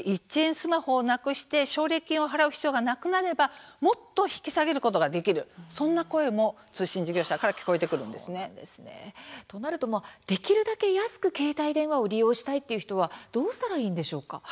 スマホをなくして奨励金を払う必要がなくなればもっと引き下げることができるそんな声も通信事業者からできるだけ安く携帯電話を利用したいという人はどうしたらいいんでしょうか。